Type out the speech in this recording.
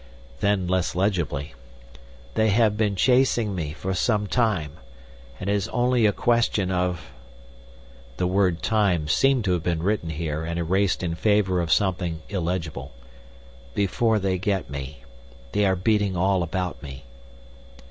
Then less legibly: "They have been chasing me for some time, and it is only a question of"—the word "time" seemed to have been written here and erased in favour of something illegible—"before they get me. They are beating all about me."